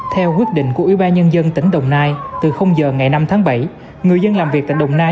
theo quyết định của ubnd tỉnh đồng nai từ giờ ngày năm tháng bảy người dân làm việc tại đồng nai